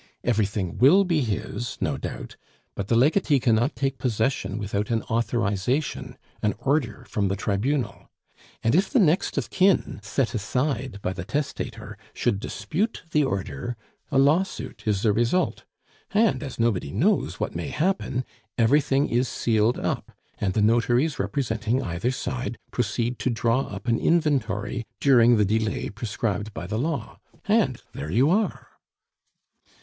Everything will be his, no doubt; but the legatee cannot take possession without an authorization an order from the Tribunal. And if the next of kin set aside by the testator should dispute the order, a lawsuit is the result. And as nobody knows what may happen, everything is sealed up, and the notaries representing either side proceed to draw up an inventory during the delay prescribed by the law.... And there you are!"